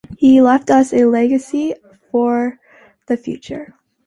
He's left us a legacy for the future.